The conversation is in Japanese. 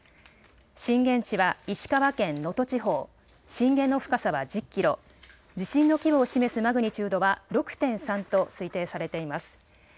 震源地は石川県能登地方、震源の深さは１０キロ、地震の規模を示すマグニチュードは６．３と推定されています。